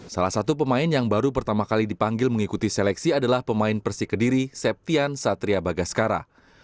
salah satu pemain yang baru pertama kali dipanggil mengikuti seleksi adalah pemain persik kediri septian satria bagaskara